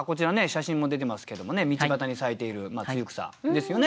写真も出てますけども道端に咲いている露草ですよね。